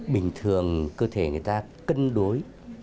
bình thường cơ thể người ta cân đối